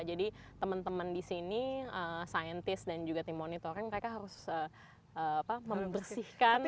jadi teman teman di sini scientist dan juga tim monitoring mereka harus membersihkan